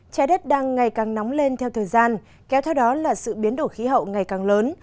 trái đất đang ngày càng nóng lên theo thời gian kéo theo đó là sự biến đổi khí hậu ngày càng lớn